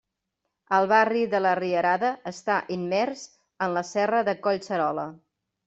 El barri de la Rierada està immers en la serra de Collserola.